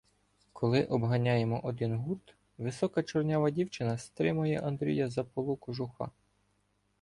Коли обганяємо один гурт, висока чорнява дівчина стримує Андрія за полу кожуха.